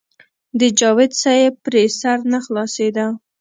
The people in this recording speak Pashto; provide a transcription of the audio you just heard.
د جاوېد صېب پرې سر نۀ خلاصېدۀ -